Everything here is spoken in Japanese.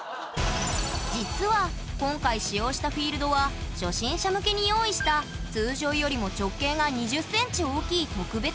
実は今回使用したフィールドは初心者向けに用意した通常よりも直径が２０ｃｍ大きい特別製。